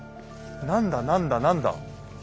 何だ何だ何だ？